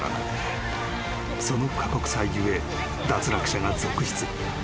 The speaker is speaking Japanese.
［その過酷さ故脱落者が続出］